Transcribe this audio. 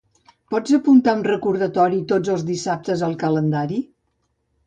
Pots apuntar un recordatori tots els dissabtes al calendari?